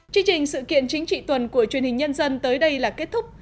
chương trình sự kiện chính trị tuần của truyền hình nhân dân tới đây là kết thúc